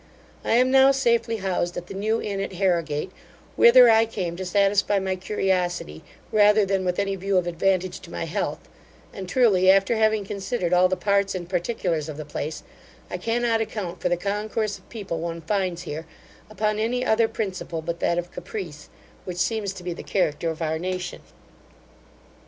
I am now safely housed at the New Inn, at Harrigate, whither I came to satisfy my curiosity, rather than with any view of advantage to my health; and, truly, after having considered all the parts and particulars of the place, I cannot account for the concourse of people one finds here, upon any other principle but that of caprice, which seems to be the character of our nation.